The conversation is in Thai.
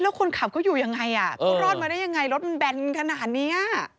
แล้วคนขับเขาอยู่ยังไงอ่ะเขารอดมาได้ยังไงรถมันแบนขนาดเนี้ย